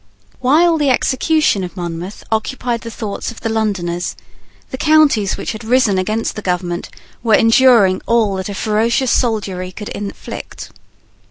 While the execution of Monmouth occupied the thoughts of the Londoners, the counties which had risen against the government were enduring all that a ferocious soldiery could inflict.